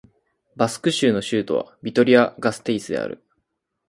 バスク州の州都はビトリア＝ガステイスである